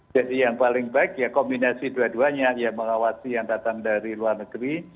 yang paling baik ya kombinasi dua duanya yang mengawasi yang datang dari luar negeri